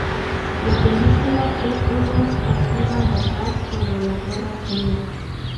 La película es una sátira mordaz sobre la Guerra Fría.